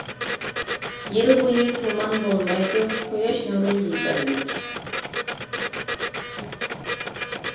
يىل بويى تۇمان بولمايدۇ، قۇياش نۇرى يېتەرلىك.